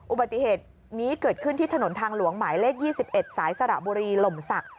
อุบัติเหตุนี้เกิดขึ้นที่ถนนทางหลวงหมายเลข๒๑สายสระบุรีหล่มศักดิ